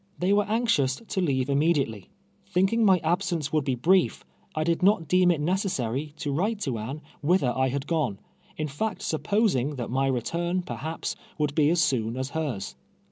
They were anxious to leave immediately. Thinking my absence would be brief, I did not deem it necessary to write to Anne whither I had gone; in fact su2)posing that my return, perhaps, would l)e as soon as hers.